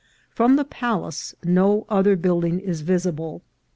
From the palace no other building is visible.